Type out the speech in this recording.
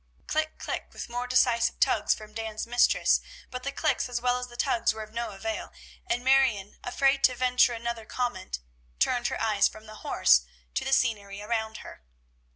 "Klick! Klick!" with more decisive tugs from Dan's mistress; but the "Klicks," as well as the tugs, were of no avail, and Marion, afraid to venture another comment, turned her eyes from the horse to the scenery around her.